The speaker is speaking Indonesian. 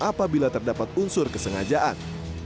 apabila terdapat unsur kesengajaan